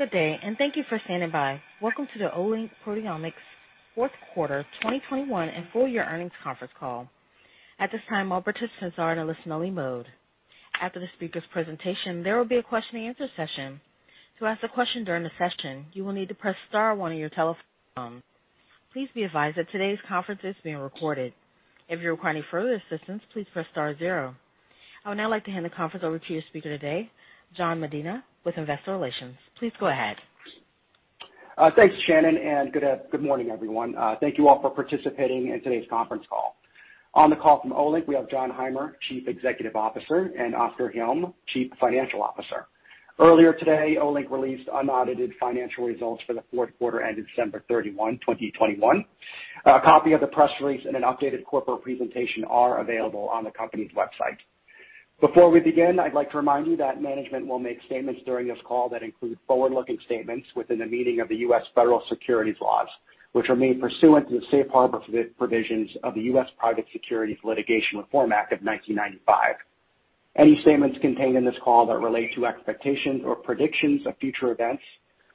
Good day, and thank you for standing by. Welcome to the Olink Proteomics fourth quarter 2021 and full year earnings conference call. At this time, all participants are in a listen-only mode. After the speaker's presentation, there will be a question and answer session. To ask a question during the session, you will need to press star one on your telephone. Please be advised that today's conference is being recorded. If you require any further assistance, please press star zero. I would now like to hand the conference over to your speaker today, Jan Medina with Investor Relations. Please go ahead. Thanks, Shannon, and good morning, everyone. Thank you all for participating in today's conference call. On the call from Olink, we have Jon Heimer, Chief Executive Officer, and Oskar Hjelm, Chief Financial Officer. Earlier today, Olink released unaudited financial results for the fourth quarter ended December 31, 2021. A copy of the press release and an updated corporate presentation are available on the company's website. Before we begin, I'd like to remind you that management will make statements during this call that include forward-looking statements within the meaning of the U.S. Federal Securities laws, which are made pursuant to the safe harbor provisions of the U.S. Private Securities Litigation Reform Act of 1995. Any statements contained in this call that relate to expectations or predictions of future events,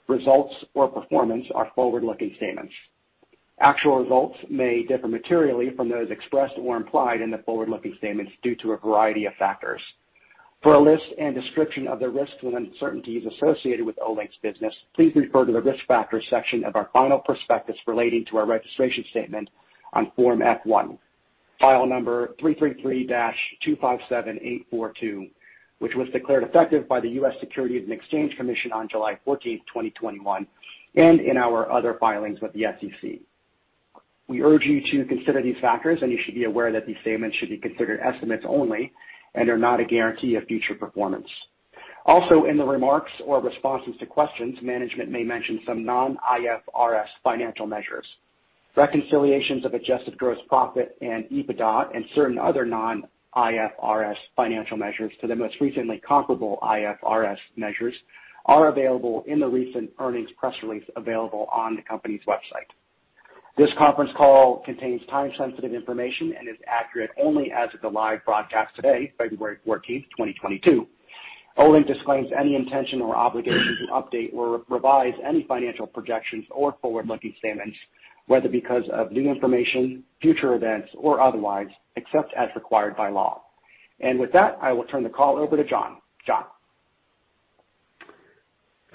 results, or performance are forward-looking statements. Actual results may differ materially from those expressed or implied in the forward-looking statements due to a variety of factors. For a list and description of the risks and uncertainties associated with Olink's business, please refer to the Risk Factors section of our final prospectus relating to our registration statement on Form F-1, file number 333-257842, which was declared effective by the U.S. Securities and Exchange Commission on July 14, 2021, and in our other filings with the SEC. We urge you to consider these factors, and you should be aware that these statements should be considered estimates only and are not a guarantee of future performance. Also, in the remarks or responses to questions, management may mention some non-IFRS financial measures. Reconciliations of adjusted gross profit and EBITDA and certain other non-IFRS financial measures to the most recently comparable IFRS measures are available in the recent earnings press release available on the company's website. This conference call contains time-sensitive information and is accurate only as of the live broadcast today, February 14, 2022. Olink disclaims any intention or obligation to update or revise any financial projections or forward-looking statements, whether because of new information, future events, or otherwise, except as required by law. With that, I will turn the call over to Jon. Jon.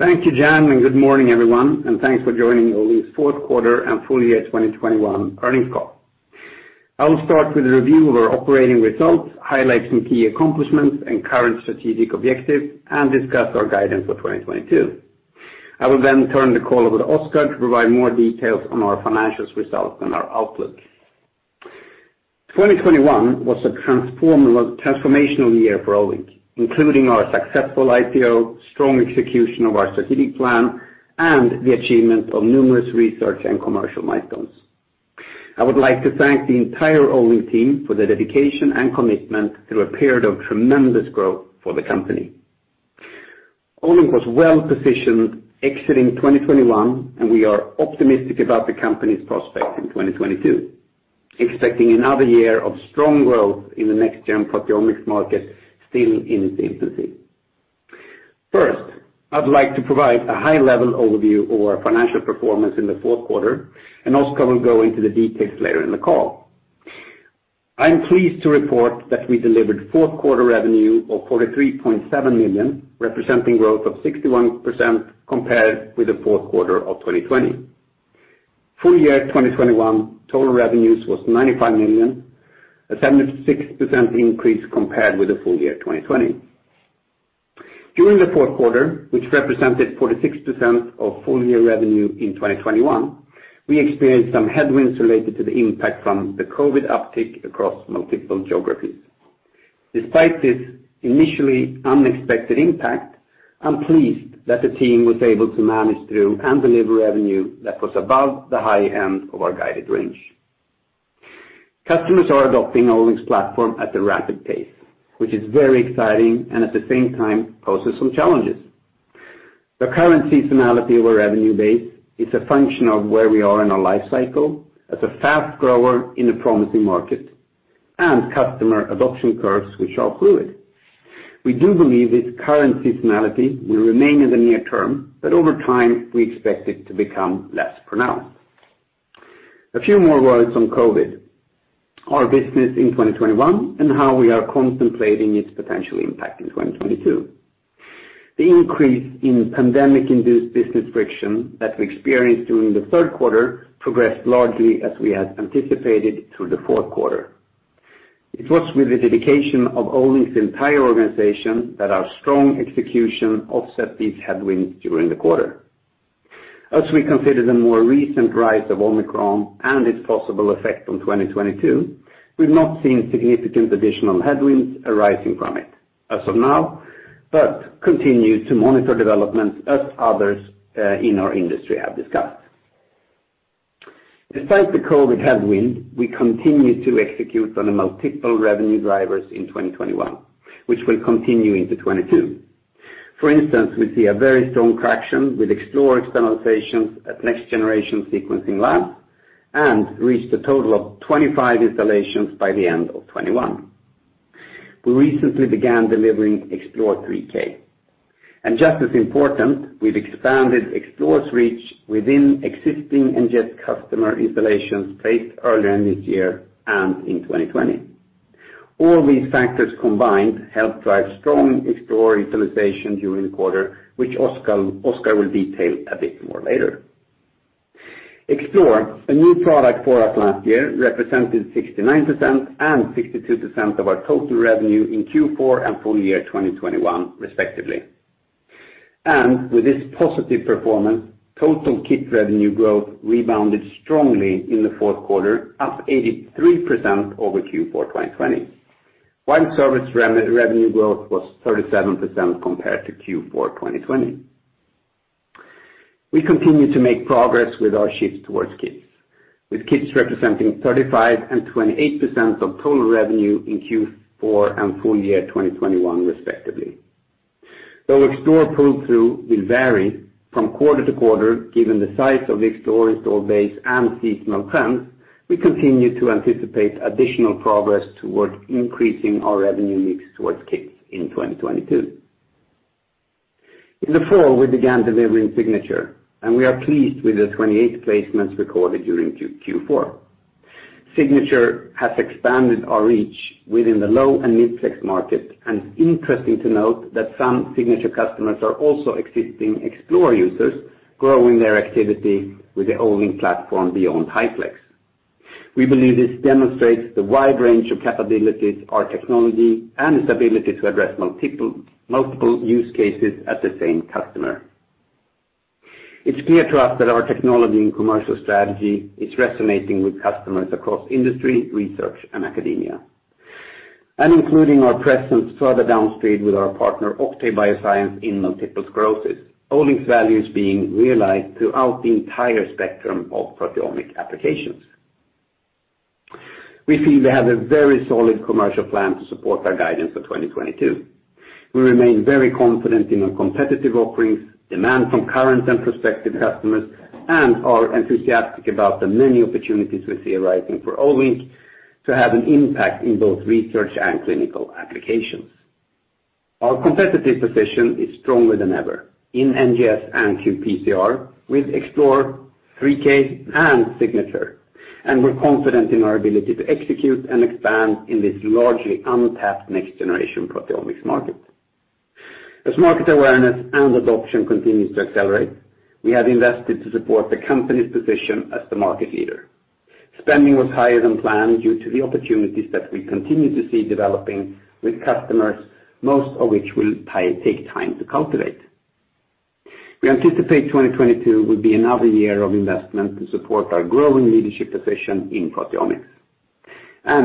Thank you, Jon, and good morning, everyone, and thanks for joining Olink's fourth quarter and full year 2021 earnings call. I will start with a review of our operating results, highlights and key accomplishments and current strategic objectives, and discuss our guidance for 2022. I will then turn the call over to Oskar to provide more details on our financial results and our outlook. 2021 was a transformational year for Olink, including our successful IPO, strong execution of our strategic plan, and the achievement of numerous research and commercial milestones. I would like to thank the entire Olink team for their dedication and commitment through a period of tremendous growth for the company. Olink was well-positioned exiting 2021, and we are optimistic about the company's prospects in 2022, expecting another year of strong growth in the next-gen proteomics market still in its infancy. First, I'd like to provide a high-level overview of our financial performance in the fourth quarter, and Oskar will go into the details later in the call. I am pleased to report that we delivered fourth quarter revenue of 43.7 million, representing growth of 61% compared with the fourth quarter of 2020. Full year 2021 total revenues was 95 million, a 76% increase compared with the full year 2020. During the fourth quarter, which represented 46% of full year revenue in 2021, we experienced some headwinds related to the impact from the COVID uptick across multiple geographies. Despite this initially unexpected impact, I'm pleased that the team was able to manage through and deliver revenue that was above the high end of our guided range. Customers are adopting Olink's platform at a rapid pace, which is very exciting and at the same time poses some challenges. The current seasonality of our revenue base is a function of where we are in our life cycle as a fast grower in a promising market and customer adoption curves, which are fluid. We do believe this current seasonality will remain in the near term, but over time, we expect it to become less pronounced. A few more words on COVID, our business in 2021, and how we are contemplating its potential impact in 2022. The increase in pandemic-induced business friction that we experienced during the third quarter progressed largely as we had anticipated through the fourth quarter. It was with the dedication of Olink's entire organization that our strong execution offset these headwinds during the quarter. As we consider the more recent rise of Omicron and its possible effect on 2022, we've not seen significant additional headwinds arising from it as of now, but continue to monitor developments as others in our industry have discussed. Despite the COVID headwind, we continued to execute on the multiple revenue drivers in 2021, which will continue into 2022. For instance, we see a very strong traction with Explore externalizations at next-generation sequencing labs and reached a total of 25 installations by the end of 2021. We recently began delivering Explore 3K. Just as important, we've expanded Explore's reach within existing NGS customer installations placed earlier in this year and in 2020. All these factors combined help drive strong Explore utilization during the quarter, which Oskar will detail a bit more later. Explore, a new product for us last year, represented 69% and 62% of our total revenue in Q4 and full year 2021 respectively. With this positive performance, total kit revenue growth rebounded strongly in the fourth quarter, up 83% over Q4 2020, while service revenue growth was 37% compared to Q4 2020. We continue to make progress with our shift towards kits, with kits representing 35% and 28% of total revenue in Q4 and full year 2021 respectively. Though Explore pull-through will vary from quarter to quarter, given the size of the Explore install base and seasonal trends, we continue to anticipate additional progress towards increasing our revenue mix towards kits in 2022. In the fall, we began delivering Signature, and we are pleased with the 28 placements recorded during Q4. Signature has expanded our reach within the low- and mid-plex market. It's interesting to note that some Signature customers are also existing Explore users growing their activity with the Olink platform beyond high-plex. We believe this demonstrates the wide range of capabilities, our technology, and its ability to address multiple use cases at the same customer. It's clear to us that our technology and commercial strategy is resonating with customers across industry, research, and academia, including our presence further downstream with our partner Octave Bioscience in multiple sclerosis. Olink's value is being realized throughout the entire spectrum of proteomic applications. We feel we have a very solid commercial plan to support our guidance for 2022. We remain very confident in our competitive offerings, demand from current and prospective customers, and are enthusiastic about the many opportunities we see arising for Olink to have an impact in both research and clinical applications. Our competitive position is stronger than ever in NGS and qPCR with Explore 3K and Signature, and we're confident in our ability to execute and expand in this largely untapped next-generation proteomics market. As market awareness and adoption continues to accelerate, we have invested to support the company's position as the market leader. Spending was higher than planned due to the opportunities that we continue to see developing with customers, most of which will take time to cultivate. We anticipate 2022 will be another year of investment to support our growing leadership position in proteomics.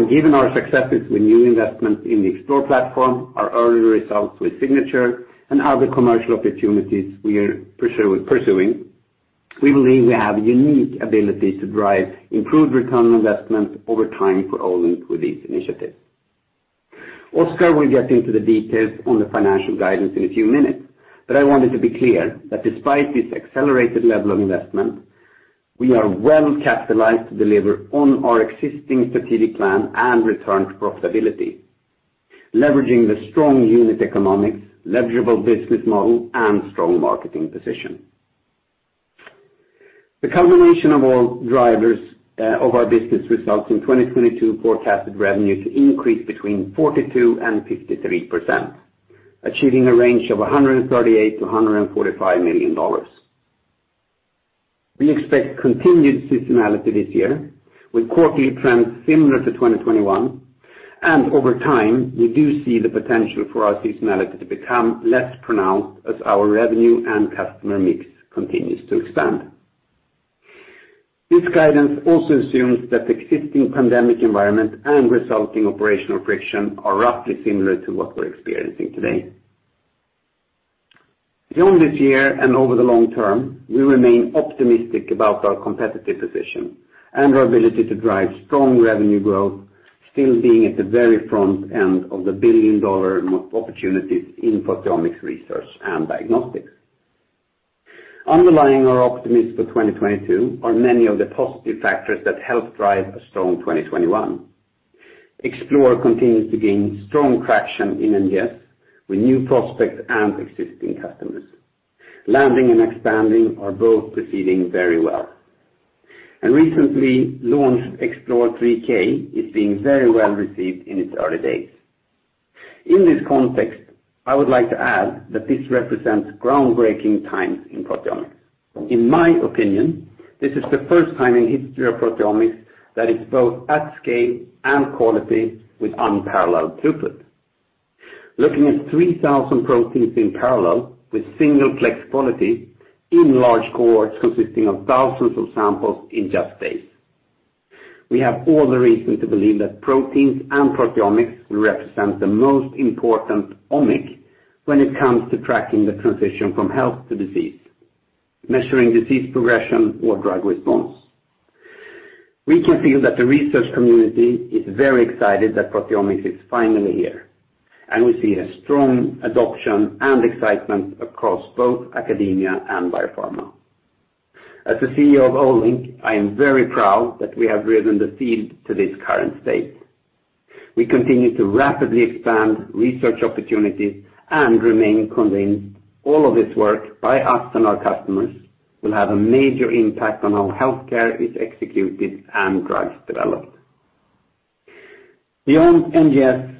Given our successes with new investment in the Explore platform, our early results with Signature, and other commercial opportunities we are pursuing, we believe we have a unique ability to drive improved return on investment over time for Olink with these initiatives. Oskar will get into the details on the financial guidance in a few minutes, but I wanted to be clear that despite this accelerated level of investment, we are well-capitalized to deliver on our existing strategic plan and return to profitability, leveraging the strong unit economics, legible business model, and strong marketing position. The combination of all drivers of our business results in 2022 forecasted revenue to increase between 42% and 53%, achieving a range of $138 million-$145 million. We expect continued seasonality this year with quarterly trends similar to 2021, and over time, we do see the potential for our seasonality to become less pronounced as our revenue and customer mix continues to expand. This guidance also assumes that the existing pandemic environment and resulting operational friction are roughly similar to what we're experiencing today. Beyond this year and over the long term, we remain optimistic about our competitive position and our ability to drive strong revenue growth still being at the very front end of the billion-dollar opportunities in proteomics research and diagnostics. Underlying our optimism for 2022 are many of the positive factors that help drive a strong 2021. Explore continues to gain strong traction in NGS with new prospects and existing customers. Landing and expanding are both proceeding very well. A recently launched Explore 3K is being very well received in its early days. In this context, I would like to add that this represents groundbreaking times in proteomics. In my opinion, this is the first time in history of proteomics that it's both at scale and quality with unparalleled throughput. Looking at 3,000 proteins in parallel with single-plex quality in large cohorts consisting of thousands of samples in just days. We have all the reason to believe that proteins and proteomics will represent the most important omic when it comes to tracking the transition from health to disease, measuring disease progression or drug response. We can feel that the research community is very excited that proteomics is finally here, and we see a strong adoption and excitement across both academia and biopharma. As the CEO of Olink, I am very proud that we have readied the field to this current state. We continue to rapidly expand research opportunities and remain convinced all of this work by us and our customers will have a major impact on how healthcare is executed and drugs developed. Beyond NGS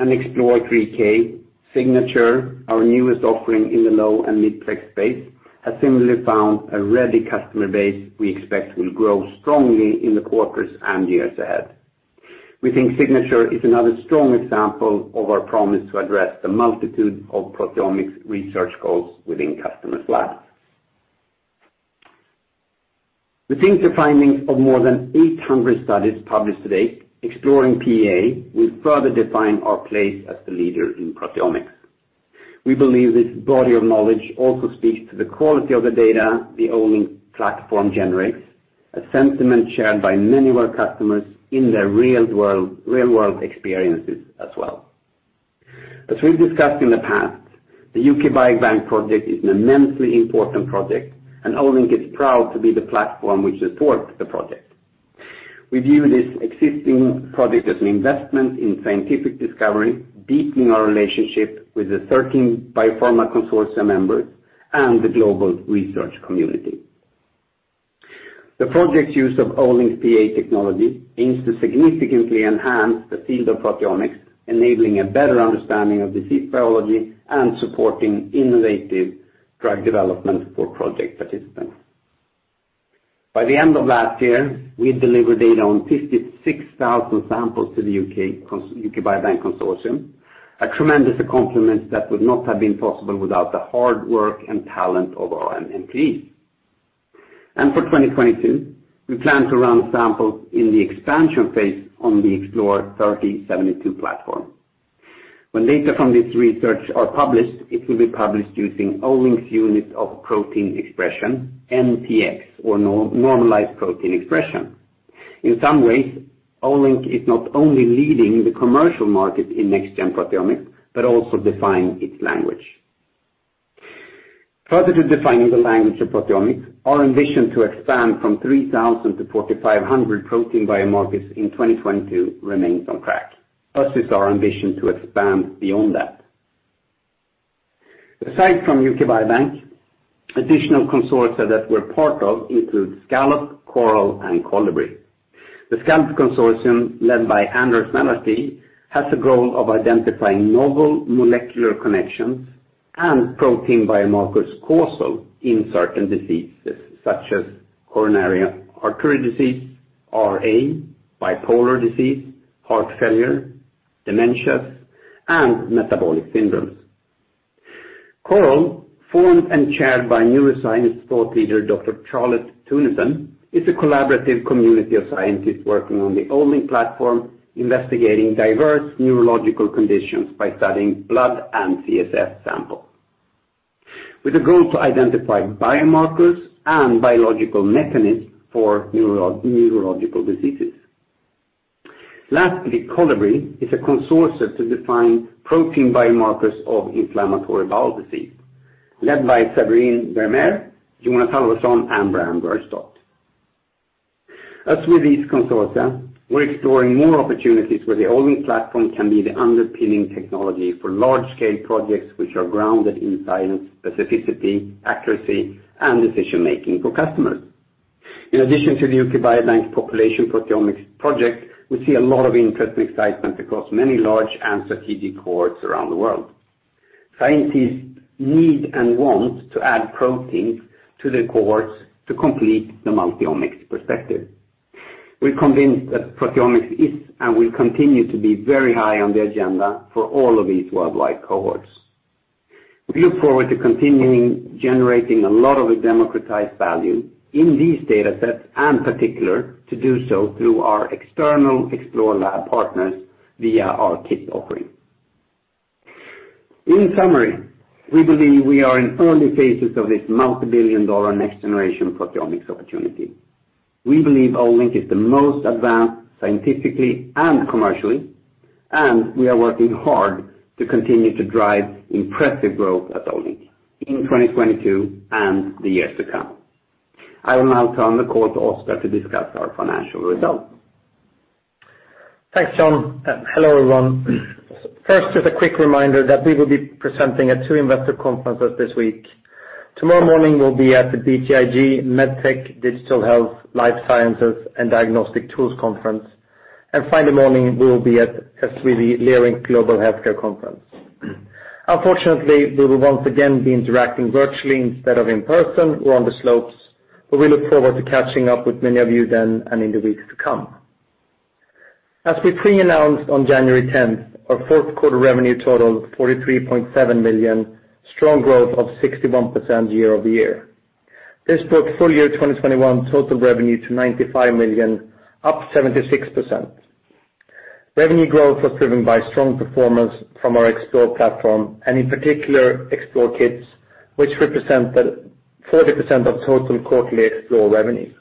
and Explore 3K, Signature, our newest offering in the low- and mid-plex space, has similarly found a ready customer base we expect will grow strongly in the quarters and years ahead. We think Signature is another strong example of our promise to address the multitude of proteomics research goals within customers' labs. We think the findings of more than 800 studies published today exploring PEA will further define our place as the leader in proteomics. We believe this body of knowledge also speaks to the quality of the data the Olink platform generates, a sentiment shared by many of our customers in their real world experiences as well. As we've discussed in the past, the U.K. Biobank project is an immensely important project, and Olink is proud to be the platform which supports the project. We view this existing project as an investment in scientific discovery, deepening our relationship with the 13 biopharma consortia members and the global research community. The project's use of Olink's PEA technology aims to significantly enhance the field of proteomics, enabling a better understanding of disease biology and supporting innovative drug development for project participants. By the end of last year, we had delivered data on 56,000 samples to the U.K. Biobank Consortium, a tremendous accomplishment that would not have been possible without the hard work and talent of our own employees. For 2022, we plan to run samples in the expansion phase on the Explore 3072 platform. When data from this research are published, it will be published using Olink's unit of protein expression, NPX, or Normalized Protein Expression. In some ways, Olink is not only leading the commercial market in next-gen proteomics, but also defining its language. Further to defining the language of proteomics, our ambition to expand from 3,000 to 4,500 protein biomarkers in 2022 remains on track, as is our ambition to expand beyond that. Aside from U.K. Biobank, additional consortia that we're part of include SCALLOP, CORAL, and COLLIBRI. The SCALLOP Consortium, led by Anders Mälarstig, has the goal of identifying novel molecular connections and protein biomarkers causal in certain diseases, such as coronary artery disease, RA, bipolar disease, heart failure, dementias, and metabolic syndromes. CORAL, formed and chaired by neuroscience thought leader Dr. Charlotte Teunissen, is a collaborative community of scientists working on the Olink platform, investigating diverse neurological conditions by studying blood and CSF samples, with a goal to identify biomarkers and biological mechanisms for neurological diseases. Lastly, COLLIBRI is a consortium to define protein biomarkers of inflammatory bowel disease, led by Sabrine Benmebarek, Jonas Halfvarson, and Bram Verstockt. With these consortia, we're exploring more opportunities where the Olink platform can be the underpinning technology for large-scale projects which are grounded in science, specificity, accuracy, and decision-making for customers. In addition to the U.K. Biobank's population proteomics project, we see a lot of interest and excitement across many large and strategic cohorts around the world. Scientists need and want to add proteins to their cohorts to complete the multi-omics perspective. We're convinced that proteomics is and will continue to be very high on the agenda for all of these worldwide cohorts. We look forward to continuing generating a lot of the democratized value in these data sets, and particularly to do so through our external Explore lab partners via our kit offering. In summary, we believe we are in early phases of this multi-billion dollar next generation proteomics opportunity. We believe Olink is the most advanced scientifically and commercially, and we are working hard to continue to drive impressive growth at Olink in 2022 and the years to come. I will now turn the call to Oskar to discuss our financial results. Thanks, Jon, and hello, everyone. First, just a quick reminder that we will be presenting at two investor conferences this week. Tomorrow morning, we'll be at the BTIG MedTech, Digital Health, Life Science and Diagnostic Tools Conference. Friday morning, we will be at SVB Leerink Global Healthcare Conference. Unfortunately, we will once again be interacting virtually instead of in person or on the slopes, but we look forward to catching up with many of you then and in the weeks to come. As we pre-announced on January 10, our fourth quarter revenue totaled $43.7 million, strong growth of 61% year-over-year. This brought full year 2021 total revenue to $95 million, up 76%. Revenue growth was driven by strong performance from our Explore platform, and in particular, Explore Kits, which represent 40% of total quarterly Explore revenue.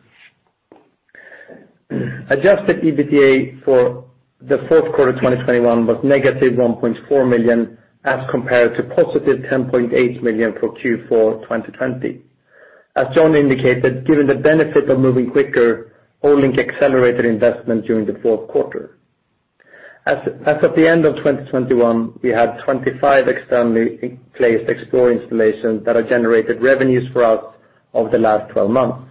Adjusted EBITDA for the fourth quarter 2021 was negative $1.4 million as compared to positive $10.8 million for Q4 2020. As John indicated, given the benefit of moving quicker, Olink accelerated investment during the fourth quarter. As of the end of 2021, we had 25 externally placed Explore installations that have generated revenues for us over the last 12 months.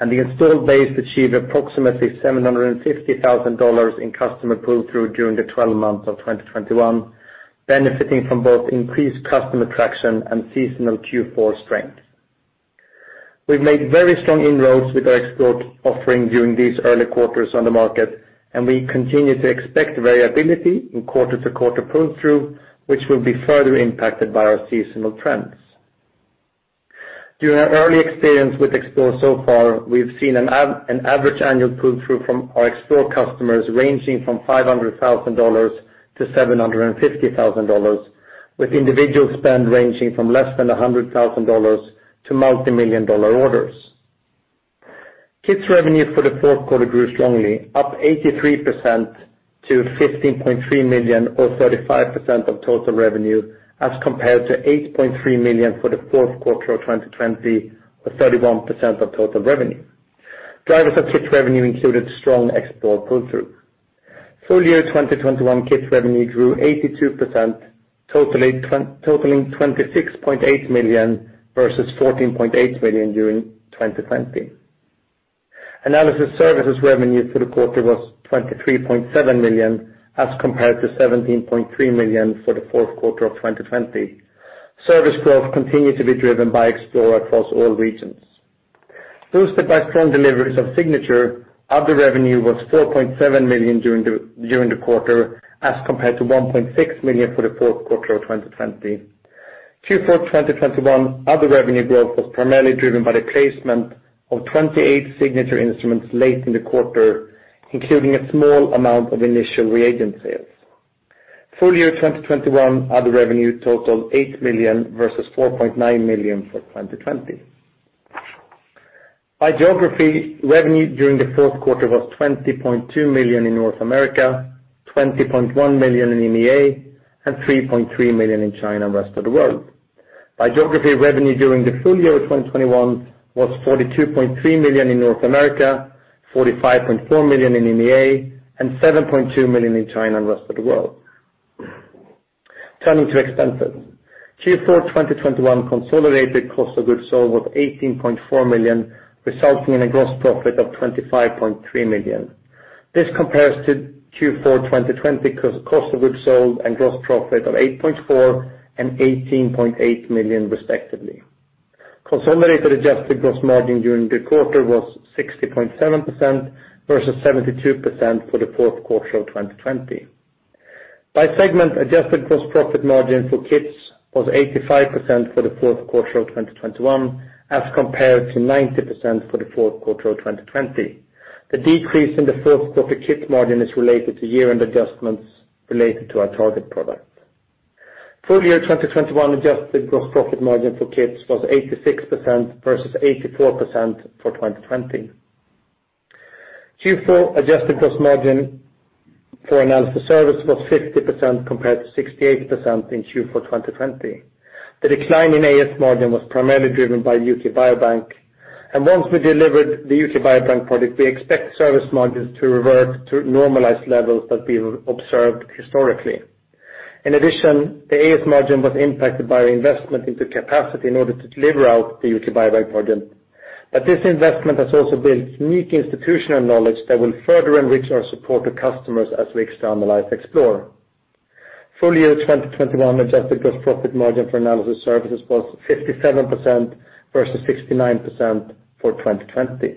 The installed base achieved approximately $750,000 in customer pull-through during the 12 months of 2021, benefiting from both increased customer traction and seasonal Q4 strength. We've made very strong inroads with our Explorer offering during these early quarters on the market, and we continue to expect variability in quarter-to-quarter pull-through, which will be further impacted by our seasonal trends. During our early experience with Explorer so far, we've seen an average annual pull-through from our Explorer customers ranging from $500,000-$750,000, with individual spend ranging from less than $100,000 to multi-million dollar orders. Kits revenue for the fourth quarter grew strongly, up 83% to $15.3 million or 35% of total revenue, as compared to $8.3 million for the fourth quarter of 2020, or 31% of total revenue. Drivers of kits revenue included strong Explorer pull-through. Full year 2021 kits revenue grew 82%, totaling 26.8 million versus 14.8 million during 2020. Analysis services revenue for the quarter was 23.7 million, as compared to 17.3 million for the fourth quarter of 2020. Service growth continued to be driven by Explore across all regions. Boosted by strong deliveries of Signature, other revenue was 4.7 million during the quarter, as compared to 1.6 million for the fourth quarter of 2020. Q4 2021 other revenue growth was primarily driven by the placement of 28 Signature instruments late in the quarter, including a small amount of initial reagent sales. Full year 2021 other revenue totaled 8 million versus 4.9 million for 2020. By geography, revenue during the fourth quarter was 20.2 million in North America, 20.1 million in EMEA, and 3.3 million in China and rest of the world. By geography, revenue during the full year of 2021 was 42.3 million in North America, 45.4 million in EMEA, and 7.2 million in China and rest of the world. Turning to expenses. Q4 2021 consolidated cost of goods sold was 18.4 million, resulting in a gross profit of 25.3 million. This compares to Q4 2020, cost of goods sold and gross profit of 8.4 million and 18.8 million respectively. Consolidated adjusted gross margin during the quarter was 60.7% versus 72% for the fourth quarter of 2020. By segment, adjusted gross profit margin for kits was 85% for the fourth quarter of 2021, as compared to 90% for the fourth quarter of 2020. The decrease in the fourth quarter kit margin is related to year-end adjustments related to our target product. Full year 2021 adjusted gross profit margin for kits was 86% versus 84% for 2020. Q4 adjusted gross margin for analysis service was 50% compared to 68% in Q4 2020. The decline in AS margin was primarily driven by UK Biobank, and once we delivered the U.K. Biobank product, we expect service margins to revert to normalized levels that we've observed historically. In addition, the AS margin was impacted by investment into capacity in order to deliver out the U.K. Biobank margin. This investment has also built unique institutional knowledge that will further enrich our support to customers as we externalize Explore. Full year 2021 adjusted gross profit margin for analysis services was 57% versus 69% for 2020.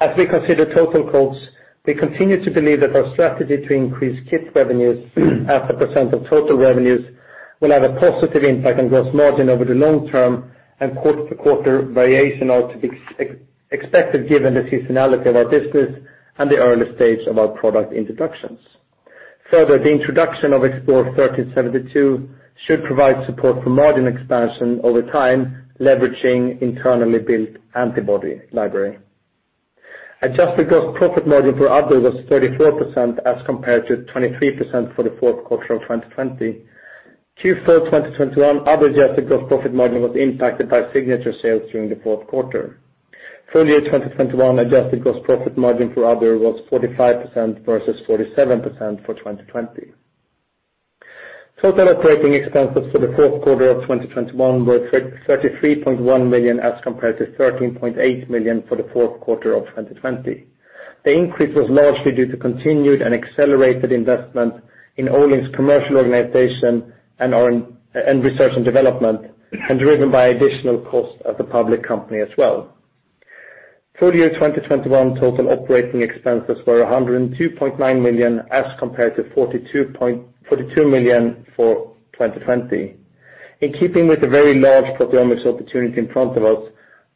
As we consider total costs, we continue to believe that our strategy to increase kit revenues as a percent of total revenues will have a positive impact on gross margin over the long term and quarter-to-quarter variations are to be expected given the seasonality of our business and the early stage of our product introductions. Further, the introduction of Olink Explore 3072 should provide support for margin expansion over time, leveraging internally built antibody library. Adjusted gross profit margin for other was 34% as compared to 23% for the fourth quarter of 2020. Q4 2021, other adjusted gross profit margin was impacted by signature sales during the fourth quarter. Full year 2021, adjusted gross profit margin for other was 45% versus 47% for 2020. Total operating expenses for the fourth quarter of 2021 were 33.1 million as compared to 13.8 million for the fourth quarter of 2020. The increase was largely due to continued and accelerated investment in Olink's commercial organization and R&D and research and development, and driven by additional costs as a public company as well. Full year 2021 total operating expenses were 102.9 million as compared to 42 million for 2020. In keeping with the very large proteomics opportunity in front of us,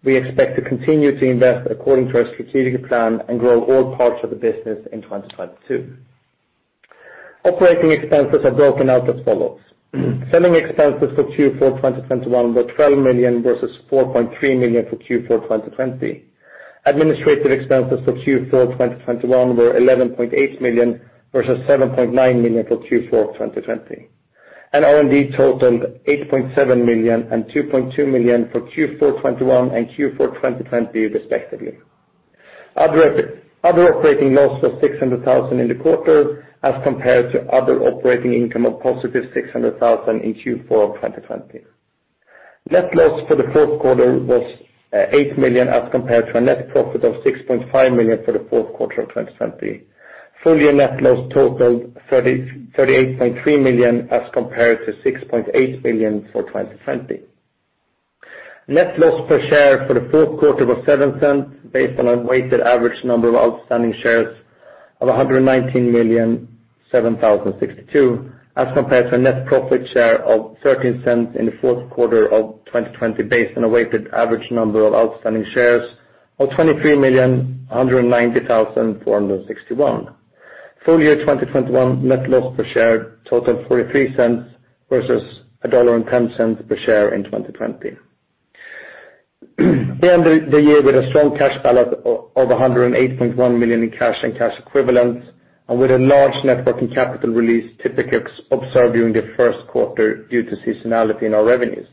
we expect to continue to invest according to our strategic plan and grow all parts of the business in 2022. Operating expenses are broken out as follows. Selling expenses for Q4 2021 were 12 million versus 4.3 million for Q4 2020. Administrative expenses for Q4 2021 were 11.8 million versus 7.9 million for Q4 2020. R&D totaled 8.7 million and 2.2 million for Q4 2021 and Q4 2020, respectively. Other operating loss was 600,000 in the quarter as compared to other operating income of positive 600,000 in Q4 of 2020. Net loss for the fourth quarter was eight million, as compared to a net profit of 6.5 million for the fourth quarter of 2020. Full year net loss totaled $33.3 million, as compared to $6.8 million for 2020. Net loss per share for the fourth quarter was $0.07, based on a weighted average number of outstanding shares of 119,007,062, as compared to a net profit per share of $0.13 in the fourth quarter of 2020, based on a weighted average number of outstanding shares of 23,190,461. Full year 2021 net loss per share totaled $0.43 versus $1.10 per share in 2020. We ended the year with a strong cash balance of $108.1 million in cash and cash equivalents, and with a large net working capital release typically observed during the first quarter due to seasonality in our revenues.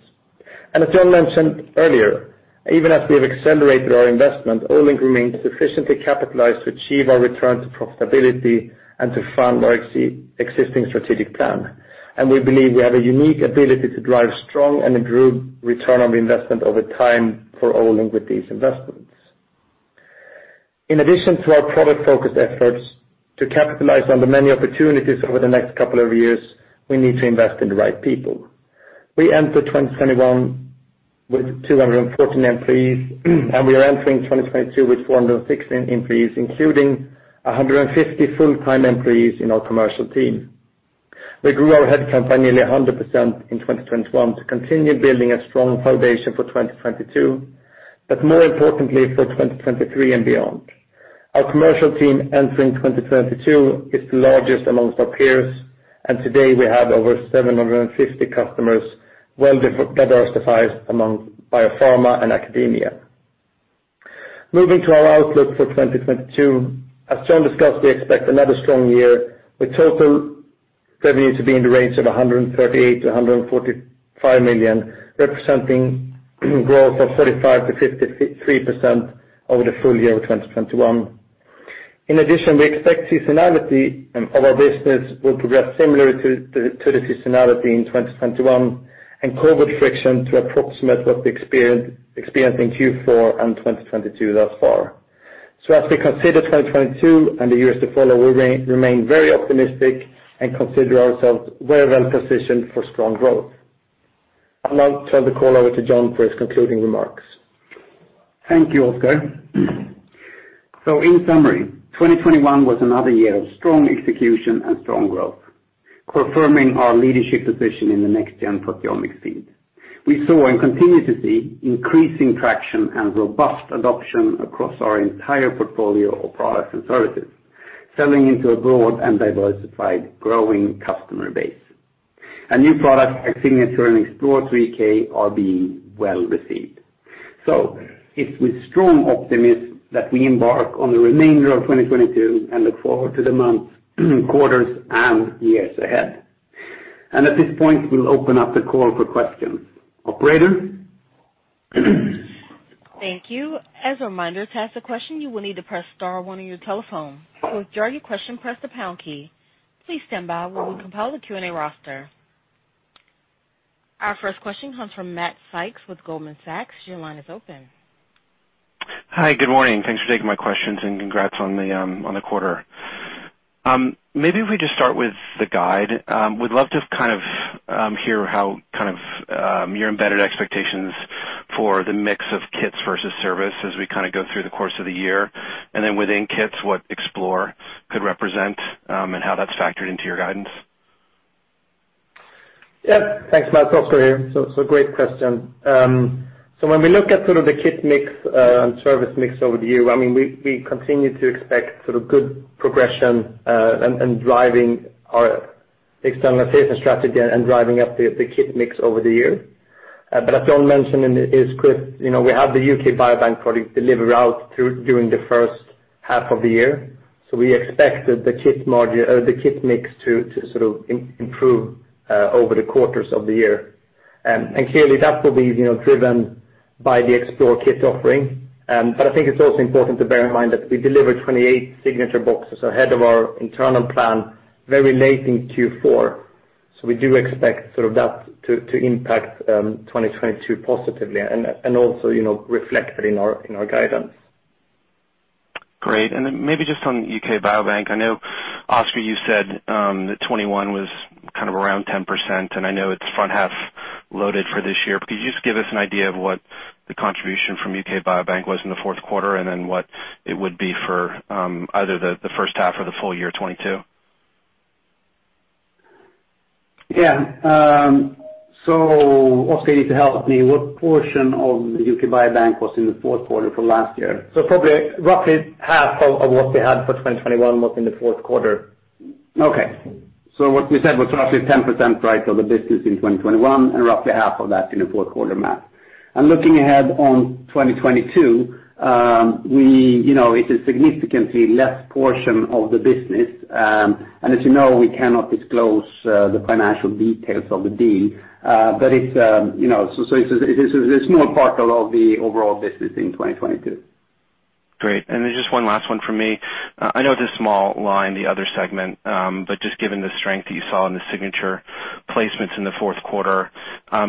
As Jon mentioned earlier, even as we have accelerated our investment, Olink remains sufficiently capitalized to achieve our return to profitability and to fund our existing strategic plan. We believe we have a unique ability to drive strong and improved return on investment over time for Olink with these investments. In addition to our product-focused efforts, to capitalize on the many opportunities over the next couple of years, we need to invest in the right people. We entered 2021 with 214 employees and we are entering 2022 with 416 employees, including 150 full-time employees in our commercial team. We grew our headcount by nearly 100% in 2021 to continue building a strong foundation for 2022, but more importantly, for 2023 and beyond. Our commercial team entering 2022 is the largest amongst our peers, and today we have over 750 customers well diversified among biopharma and academia. Moving to our outlook for 2022, as John discussed, we expect another strong year with total revenue to be in the range of $138 million-$145 million, representing growth of 35%-53% over the full year of 2021. In addition, we expect seasonality in all our business will progress similarly to the seasonality in 2021 and COVID friction to approximate what we experienced in Q4 2022 thus far. As we consider 2022 and the years to follow, we remain very optimistic and consider ourselves very well positioned for strong growth. I'll now turn the call over to Jon for his concluding remarks. Thank you, Oskar. In summary, 2021 was another year of strong execution and strong growth, confirming our leadership position in the next-gen proteomics field. We saw and continue to see increasing traction and robust adoption across our entire portfolio of products and services, selling into a broad and diversified growing customer base. New products like Signature and Explorer 3K are being well received. It's with strong optimism that we embark on the remainder of 2022 and look forward to the months, quarters, and years ahead. At this point, we'll open up the call for questions. Operator? Thank you. As a reminder, to ask a question, you will need to press star one on your telephone. To withdraw your question, press the pound key. Please stand by while we compile the Q&A roster. Our first question comes from Matthew Sykes with Goldman Sachs. Your line is open. Hi, good morning. Thanks for taking my questions, and congrats on the quarter. Maybe if we just start with the guide. We'd love to kind of hear how kind of your embedded expectations for the mix of kits versus service as we kind of go through the course of the year. Within kits, what Explore could represent, and how that's factored into your guidance. Yeah. Thanks, Matt. Oskar here. Great question. When we look at sort of the kit mix and service mix over the year, I mean, we continue to expect sort of good progression and driving our externalization strategy and driving up the kit mix over the year. But as John mentioned in his script, you know, we have the U.K. Biobank product delivery during the first half of the year. We expect that the kit mix to sort of improve over the quarters of the year. And clearly that will be driven by the Explore kit offering. But I think it's also important to bear in mind that we delivered 28 Signature boxes ahead of our internal plan very late in Q4. We do expect sort of that to impact 2022 positively and also, you know, reflected in our guidance. Great. Maybe just on U.K. Biobank. I know, Oskar, you said that 2021 was kind of around 10%, and I know it's front half loaded for this year. Could you just give us an idea of what the contribution from U.K. Biobank was in the fourth quarter, and then what it would be for either the first half or the full year 2022? Yeah. Oskar, you need to help me. What portion of the UK Biobank was in the fourth quarter from last year? Probably roughly half of what we had for 2021 was in the fourth quarter. Okay. What we said was roughly 10%, right, of the business in 2021, and roughly half of that in the fourth quarter, Matt. Looking ahead on 2022, you know, it is significantly less portion of the business. As you know, we cannot disclose the financial details of the deal. It's, you know, so it's a small part of the overall business in 2022. Great. Just one last one from me. I know it's a small line, the other segment, but just given the strength that you saw in the signature placements in the fourth quarter,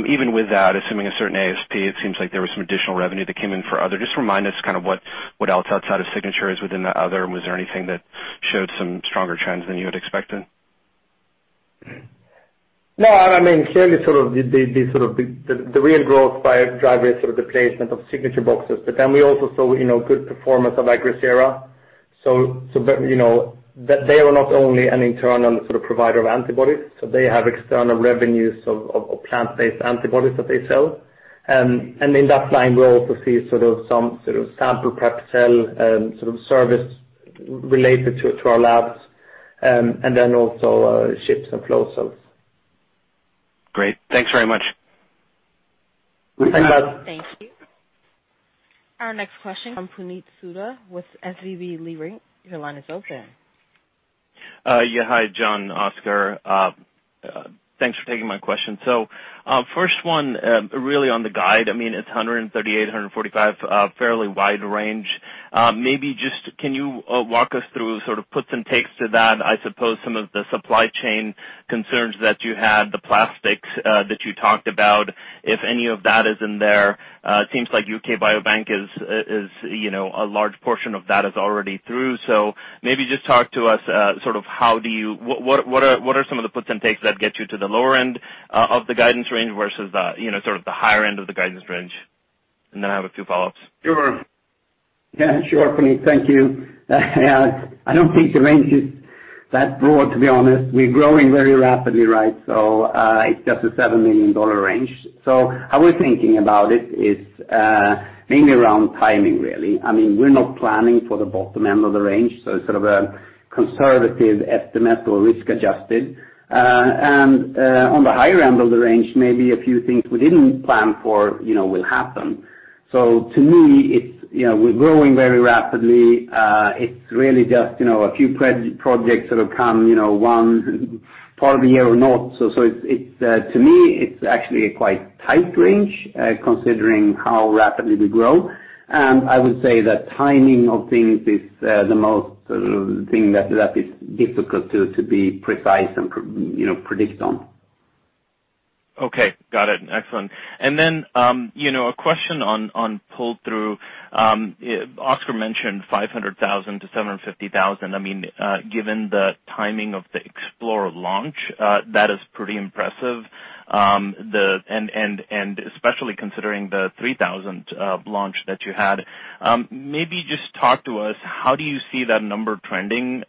even with that, assuming a certain ASP, it seems like there was some additional revenue that came in for other. Just remind us kind of what else outside of signature is within the other, and was there anything that showed some stronger trends than you had expected? No. I mean, clearly sort of the real growth driver is sort of the placement of signature boxes. We also saw, you know, good performance of Agrisera. They were not only an internal sort of provider of antibodies, so they have external revenues of plant-based antibodies that they sell. And in that line, we also see some sample prep kits service related to our labs, and then also chips and flow cells. Great. Thanks very much. Thanks, Todd. Thank you. Our next question from Puneet Souda with SVB Leerink. Your line is open. Yeah. Hi, Jon, Oskar. Thanks for taking my question. First one, really on the guide, I mean, it's $138 million-$145 million, fairly wide range. Maybe just can you walk us through sort of the puts and takes to that? I suppose some of the supply chain concerns that you had, the plastics, that you talked about, if any of that is in there. It seems like U.K. Biobank is, you know, a large portion of that is already through. Maybe just talk to us, sort of what are some of the puts and takes that get you to the lower end of the guidance range versus the, you know, sort of the higher end of the guidance range? And then I have a few follow-ups. Sure. Yeah, sure, Puneet. Thank you. I don't think the range is that broad, to be honest. We're growing very rapidly, right? It's just a $7 million range. How we're thinking about it is, mainly around timing, really. I mean, we're not planning for the bottom end of the range, so it's sort of a conservative estimate or risk-adjusted. On the higher end of the range, maybe a few things we didn't plan for, you know, will happen. To me, it's, you know, we're growing very rapidly. It's really just, you know, a few projects that have come, you know, one part of the year or not. It's, to me, actually a quite tight range, considering how rapidly we grow. I would say that timing of things is the most sort of thing that is difficult to be precise and, you know, predict on. Okay. Got it. Excellent. You know, a question on pull-through. Oskar mentioned 500,000-750,000. I mean, given the timing of the Explore launch, that is pretty impressive. Especially considering the 3,000 launch that you had. Maybe just talk to us, how do you see that number trending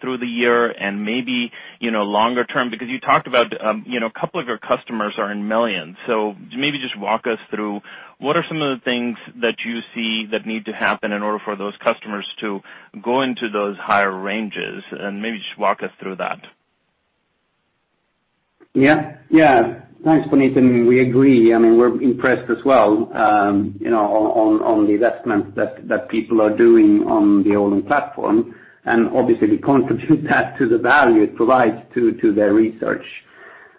through the year and maybe, you know, longer term? Because you talked about, you know, a couple of your customers are in millions. Maybe just walk us through what are some of the things that you see that need to happen in order for those customers to go into those higher ranges? Maybe just walk us through that. Yeah. Thanks, Puneet, and we agree. I mean, we're impressed as well, you know, on the investments that people are doing on the Olink platform. Obviously, we contribute that to the value it provides to their research.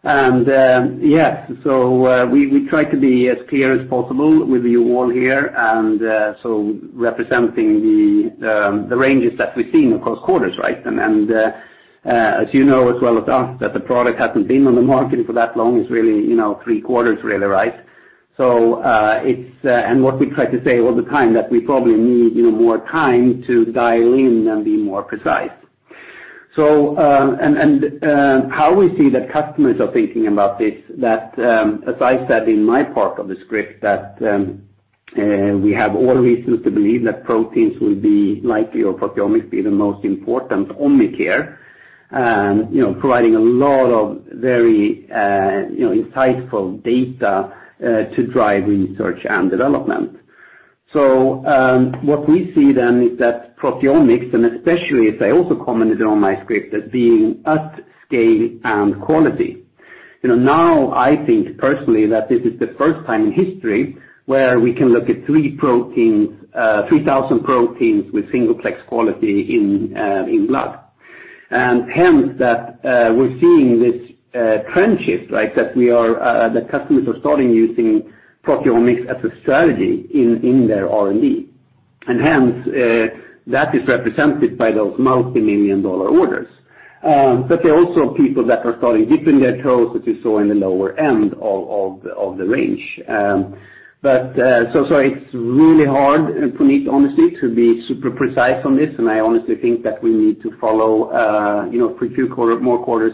We try to be as clear as possible with you all here. Representing the ranges that we're seeing across quarters, right? As you know as well as us, that the product hasn't been on the market for that long. It's really, you know, three quarters really, right? What we try to say all the time that we probably need, you know, more time to dial in and be more precise. How we see that customers are thinking about this, as I said in my part of the script, we have all reasons to believe that proteins will be likely or proteomics be the most important omic, you know, providing a lot of very you know insightful data to drive research and development. What we see then is that proteomics, and especially as I also commented on my script, as being at scale and quality. You know, now I think personally that this is the first time in history where we can look at 3 proteins, 3,000 proteins with single-plex quality in blood. Hence, we're seeing this trend shift, right, that customers are starting using proteomics as a strategy in their R&D. Hence, that is represented by those multi-million-dollar orders. There are also people that are starting dipping their toes as we saw in the lower end of the range. It's really hard, Puneet, honestly, to be super precise on this, and I honestly think that we need to follow, you know, for a few more quarters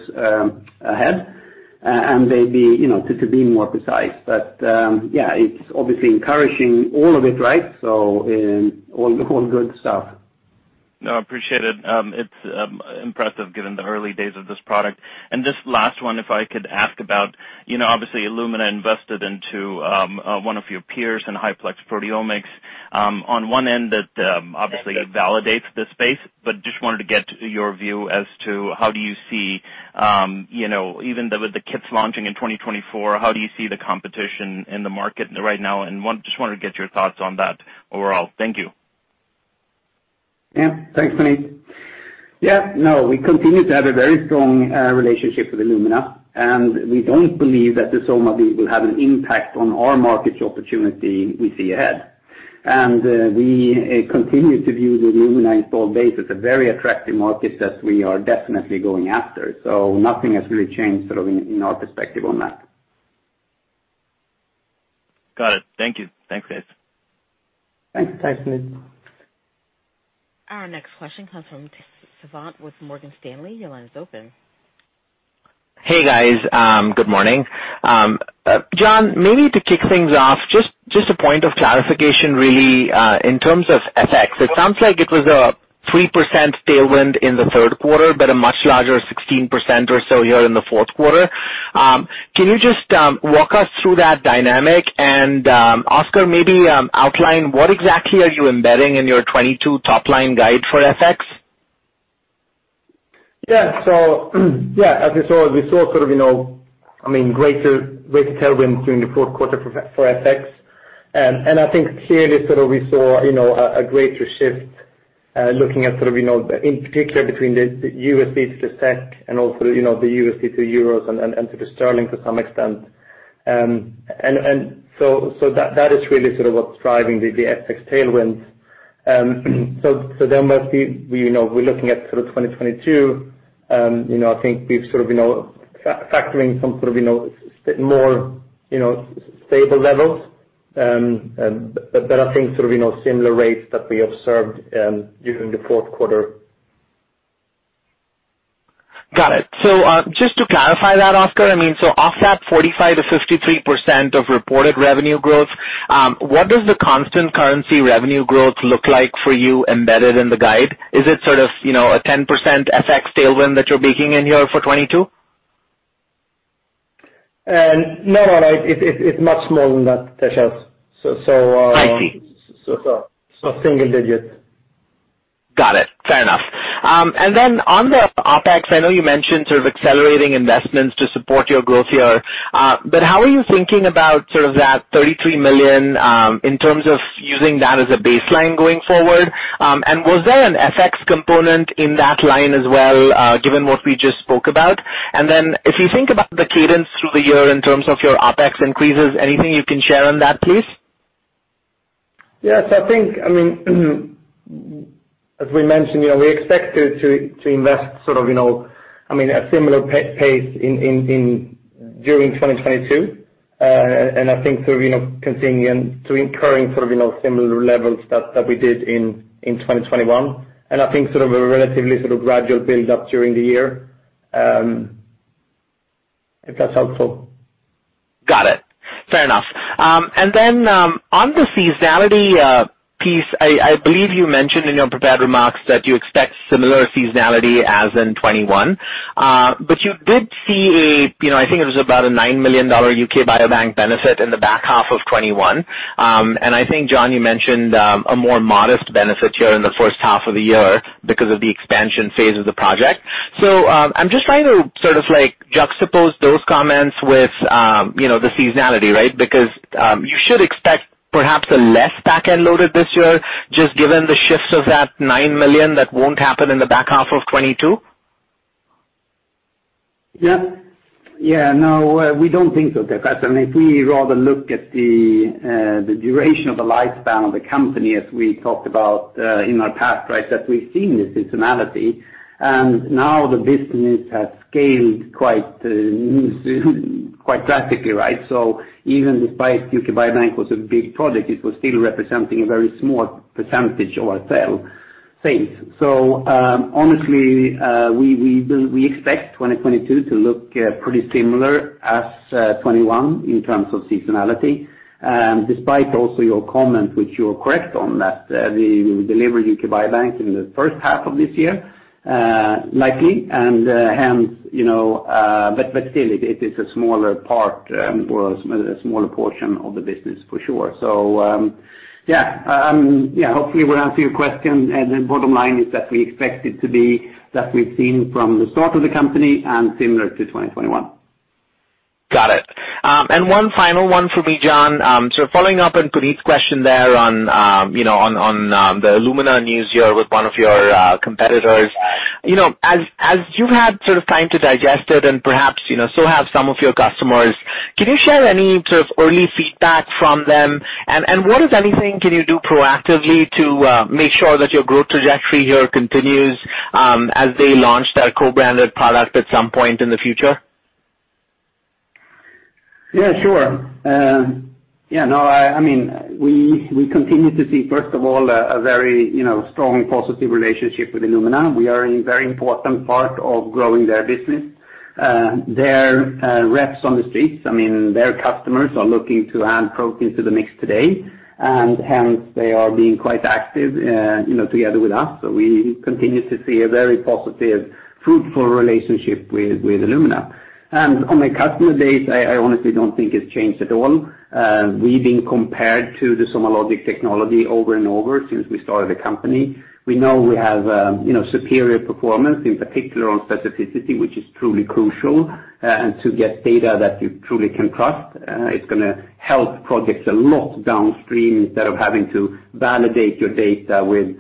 ahead, and maybe, you know, to be more precise. Yeah, it's obviously encouraging all of it, right? All good stuff. No, I appreciate it. It's impressive given the early days of this product. Just last one, if I could ask about, you know, obviously Illumina invested into one of your peers in high-plex proteomics. On one end that obviously validates the space, but just wanted to get your view as to how do you see, you know, with the kits launching in 2024, how do you see the competition in the market right now? Just wanted to get your thoughts on that overall. Thank you. Yeah. Thanks, Puneet. Yeah. No, we continue to have a very strong relationship with Illumina, and we don't believe that the SomaLogic will have an impact on our market opportunity we see ahead. We continue to view the Illumina installed base as a very attractive market that we are definitely going after. Nothing has really changed sort of in our perspective on that. Got it. Thank you. Thanks, guys. Thanks. Thanks, Puneet. Our next question comes from Tejas Savant with Morgan Stanley. Your line is open. Hey, guys. Good morning. Jon, maybe to kick things off, just a point of clarification, really, in terms of FX. It sounds like it was a 3% tailwind in the third quarter, but a much larger 16% or so here in the fourth quarter. Can you just walk us through that dynamic? Oskar, maybe outline what exactly are you embedding in your 2022 top line guide for FX? As you saw, we saw sort of, you know, I mean, greater tailwind during the fourth quarter for FX. I think clearly sort of we saw, you know, a greater shift looking at sort of, you know, in particular between the USD to the SEK and also, you know, the USD to euros and to the sterling to some extent. That is really sort of what's driving the FX tailwinds. Once we, you know, we're looking at sort of 2022, you know, I think we've sort of, you know, factoring some sort of, you know, some more, you know, stable levels. That I think sort of, you know, similar rates that we observed during the fourth quarter. Got it. Just to clarify that, Oskar, I mean, so of that 45%-53% of reported revenue growth, what does the constant currency revenue growth look like for you embedded in the guide? Is it sort of, you know, a 10% FX tailwind that you're baking in here for 2022? No. It's much smaller than that, Tejas Savant. I see. Single digit. Got it. Fair enough. On the OpEx, I know you mentioned sort of accelerating investments to support your growth here, but how are you thinking about sort of that 33 million, in terms of using that as a baseline going forward? Was there an FX component in that line as well, given what we just spoke about? If you think about the cadence through the year in terms of your OpEx increases, anything you can share on that, please? I think, I mean, as we mentioned, you know, we expect to invest sort of, you know, I mean, a similar pace during 2022. I think sort of, you know, continue to incur sort of, you know, similar levels that we did in 2021. I think sort of a relatively sort of gradual build up during the year. If that's helpful. Got it. Fair enough. On the seasonality piece, I believe you mentioned in your prepared remarks that you expect similar seasonality as in 2021. You did see a, you know, I think it was about a $9 million UK Biobank benefit in the back half of 2021. I think, Jon, you mentioned a more modest benefit here in the first half of the year because of the expansion phase of the project. I'm just trying to sort of like juxtapose those comments with, you know, the seasonality, right? Because you should expect perhaps a less back-end loaded this year, just given the shifts of that $9 million that won't happen in the back half of 2022. Yeah. No, we don't think so, Tejas Savant. I mean, if we rather look at the duration of the lifespan of the company as we talked about in our past precedent, we've seen the seasonality. Now the business has scaled quite drastically, right? Even despite U.K. Biobank was a big project, it was still representing a very small percentage of our sales base. Honestly, we expect 2022 to look pretty similar as 2021 in terms of seasonality. Despite also your comment, which you're correct on that, we deliver UK Biobank in the first half of this year, likely. Hence, still it is a smaller part, or a smaller portion of the business for sure. Yeah. Yeah, hopefully we'll answer your question and the bottom line is that we expect it to be that we've seen from the start of the company and similar to 2021. Got it. One final one for me, Jon. Following up on Puneet's question there on the Illumina news here with one of your competitors. You know, as you've had sort of time to digest it and perhaps, you know, some of your customers have, can you share any sort of early feedback from them? What, if anything, can you do proactively to make sure that your growth trajectory here continues as they launch that co-branded product at some point in the future? Yeah, sure. Yeah, no, I mean, we continue to see, first of all, a very, you know, strong, positive relationship with Illumina. We are a very important part of growing their business. Their reps on the streets, I mean, their customers are looking to add protein to the mix today, and hence they are being quite active, you know, together with us. We continue to see a very positive, fruitful relationship with Illumina. On the customer base, I honestly don't think it's changed at all. We've been compared to the SomaLogic technology over and over since we started the company. We know we have, you know, superior performance, in particular on specificity, which is truly crucial, and to get data that you truly can trust. It's gonna help projects a lot downstream instead of having to validate your data with,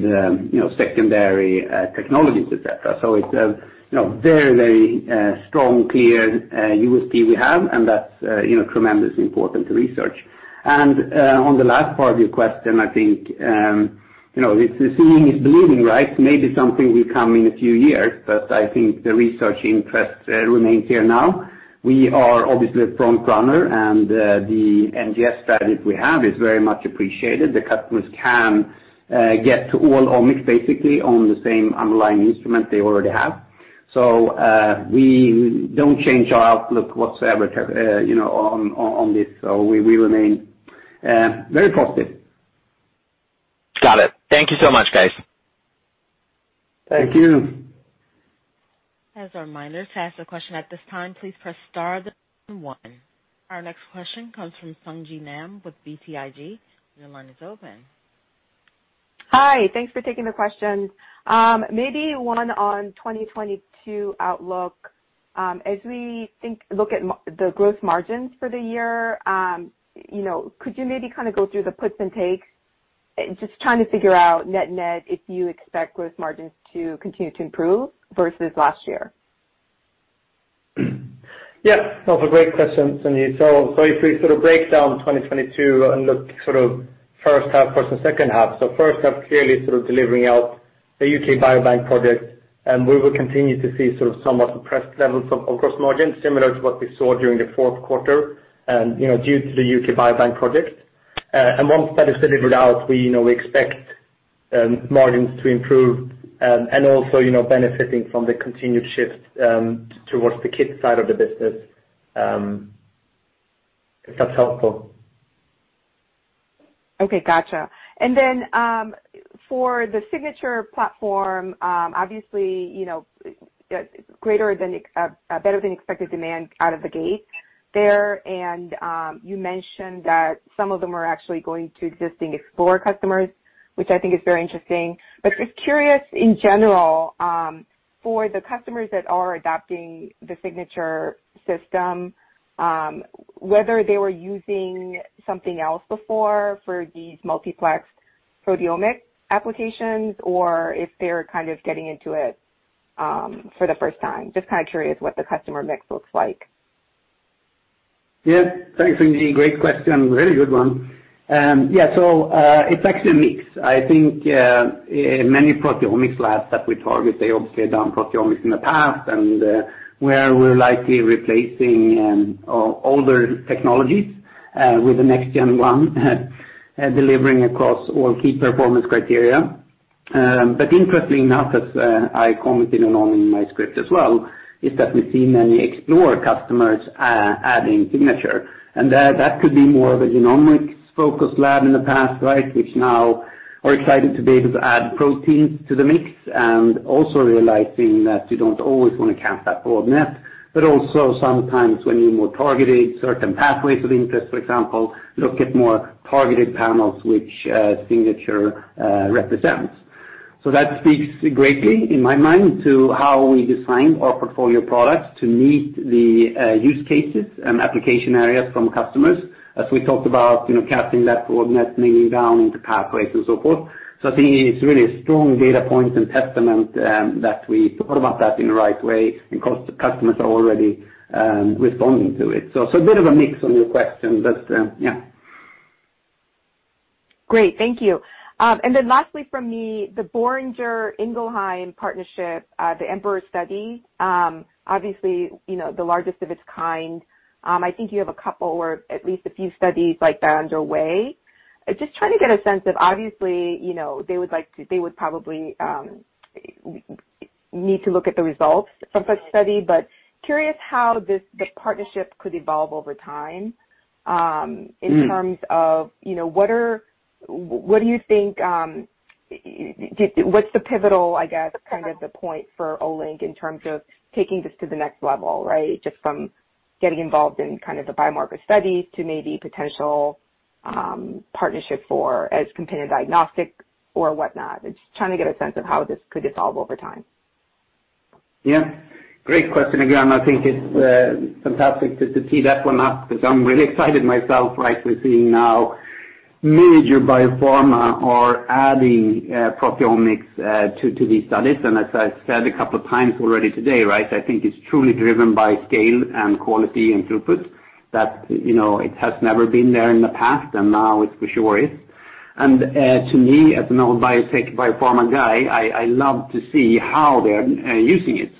you know, secondary technologies, et cetera. So it's a, you know, very, very strong, clear USP we have, and that's, you know, tremendously important to research. On the last part of your question, I think, you know, if seeing is believing, right, maybe something will come in a few years, but I think the research interest remains here now. We are obviously a front runner, and the NGS strategy we have is very much appreciated. The customers can get to all omics basically on the same underlying instrument they already have. We don't change our outlook whatsoever, you know, on this. We remain very positive. Got it. Thank you so much, guys. Thank you. As a reminder, to ask a question at this time, please press star then one. Our next question comes from Sung Ji Nam with BTIG. Your line is open. Hi. Thanks for taking the questions. Maybe one on 2022 outlook. As we look at the growth margins for the year, you know, could you maybe kind of go through the puts and takes? Just trying to figure out net-net if you expect growth margins to continue to improve versus last year. Yeah. That's a great question, Sung Ji Nam. If we sort of break down 2022 and look sort of first half versus second half. First half, clearly sort of delivering out the UK Biobank project, and we will continue to see sort of somewhat depressed levels of gross margin, similar to what we saw during the fourth quarter, you know, due to the UK Biobank project. Once that is delivered out, we expect margins to improve, and also, you know, benefiting from the continued shift towards the kits side of the business. If that's helpful. Okay. Gotcha. For the Signature platform, obviously, you know, better than expected demand out of the gate there. You mentioned that some of them are actually going to existing Explore customers, which I think is very interesting. Just curious in general, for the customers that are adopting the Signature system, whether they were using something else before for these multiplexed proteomic applications or if they're kind of getting into it, for the first time. Just kinda curious what the customer mix looks like. Yeah. Thanks, Sung Ji. Great question. Very good one. Yeah, so, it's actually a mix. I think, many proteomics labs that we target, they obviously have done proteomics in the past, and, where we're likely replacing, older technologies, with the next gen one, delivering across all key performance criteria. But interestingly enough, as, I commented on in my script as well, is that we see many Explore customers, adding Signature. That could be more of a genomics-focused lab in the past, right, which now are excited to be able to add proteins to the mix and also realizing that you don't always want to cast that broad net, but also sometimes when you're more targeted, certain pathways of interest, for example, look at more targeted panels which, Signature, represents. That speaks greatly, in my mind, to how we design our portfolio products to meet the use cases and application areas from customers. As we talked about, you know, casting that broad net, leaning down into pathways and so forth. I think it's really a strong data point and testament that we thought about that in the right way because the customers are already responding to it. A bit of a mix on your question, but yeah. Great. Thank you. Lastly from me, the Boehringer Ingelheim partnership, the EMPEROR study, obviously, you know, the largest of its kind. I think you have a couple or at least a few studies like that underway. Just trying to get a sense of, obviously, you know, they would probably need to look at the results from such study, but curious how this, the partnership could evolve over time. Mm. In terms of, you know, what do you think, what's the pivotal, I guess, kind of the point for Olink in terms of taking this to the next level, right? Just from getting involved in kind of the biomarker studies to maybe potential partnership for as companion diagnostics or whatnot. Just trying to get a sense of how this could evolve over time. Yeah. Great question again. I think it's fantastic to tee that one up because I'm really excited myself, right? We're seeing now major biopharma are adding proteomics to these studies. As I've said a couple times already today, right, I think it's truly driven by scale and quality and throughput that, you know, it has never been there in the past, and now it for sure is. To me, as an old biotech biopharma guy, I love to see how they're using it.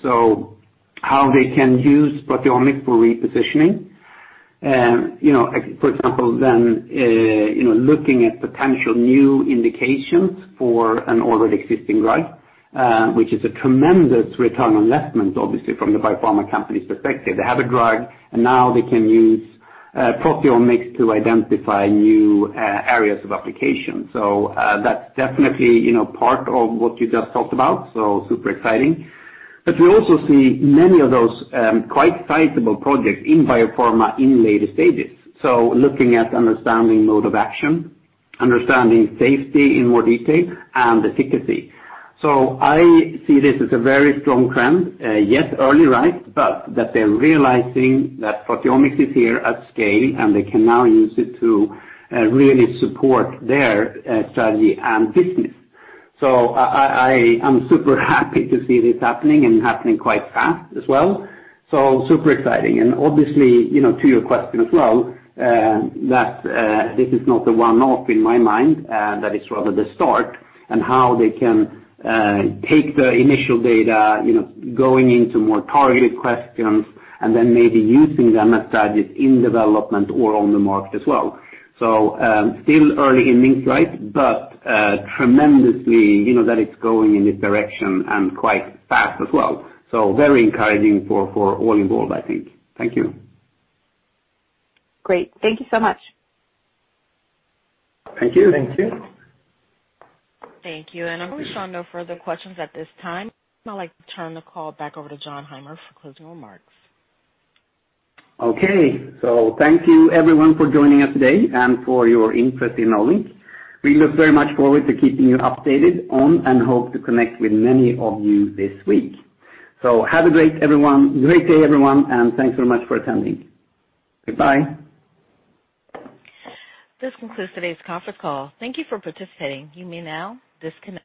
How they can use proteomics for repositioning. You know, for example, then, you know, looking at potential new indications for an already existing drug, which is a tremendous return on investment, obviously, from the biopharma company's perspective. They have a drug, and now they can use proteomics to identify new areas of application. That's definitely, you know, part of what you just talked about, so super exciting. We also see many of those quite sizable projects in biopharma in later stages, looking at understanding mode of action, understanding safety in more detail and efficacy. I see this as a very strong trend. Yes, early, right? That they're realizing that proteomics is here at scale, and they can now use it to really support their strategy and business. I'm super happy to see this happening and happening quite fast as well, so super exciting. Obviously, you know, to your question as well, that this is not a one-off in my mind, that it's rather the start and how they can take the initial data, you know, going into more targeted questions and then maybe using them as targets in development or on the market as well. Still early innings, right? Tremendously, you know, that it's going in this direction and quite fast as well. Very encouraging for all involved, I think. Thank you. Great. Thank you so much. Thank you. Thank you. Thank you. I'm showing no further questions at this time. I'd like to turn the call back over to Jon Heimer for closing remarks. Okay. Thank you everyone for joining us today and for your interest in Olink. We look very much forward to keeping you updated on and hope to connect with many of you this week. Have a great day, everyone, and thanks very much for attending. Goodbye. This concludes today's conference call. Thank you for participating. You may now disconnect.